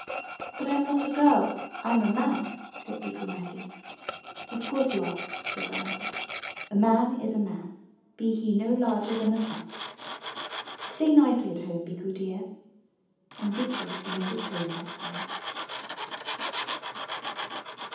But I am not a girl, I am a man," said Bikku Matti. *'0f course you are," said Grandmother. A man is a man, be he no larger than a thumb. Stay nicely at home, Bikku dear." And Bikku remained at home that time.